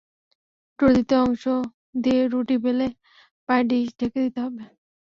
ডোর দ্বিতীয় অংশ দিয়ে রুটি বেলে পাই ডিশ ঢেকে দিতে হবে।